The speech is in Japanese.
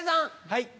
はい。